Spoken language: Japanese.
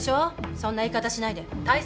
そんな言い方しないで対策